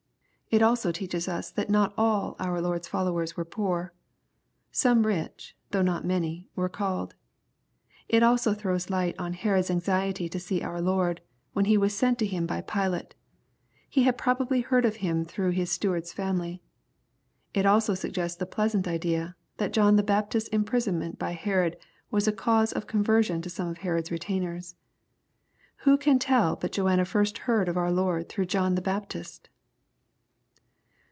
It also teaches us that not all our Lord's followers were poor. Some rich, though not many, were called. It also throws light on Herod's anxiety to see our Lord, when He was sent to him by Pilate. He had probably heard of Him through his steward's family. It. also suggests ikiQ pleasant idea, that John the Baptist's imprisonment by Herod was a cause of conversion to some of Herod's retainers. Who can tell but Joanna first heard of our Lord through John the Baptist